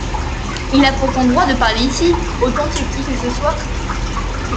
Il a pourtant droit de parler ici autant que qui que ce soit !…